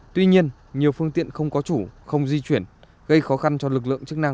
tuy nhiên nhiều phương tiện không có chủ không di chuyển gây khó khăn cho lực lượng chức năng